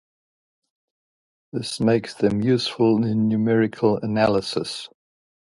This makes them useful in numerical analysis.